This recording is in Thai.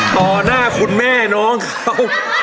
หน้าคุณแม่น้องเขา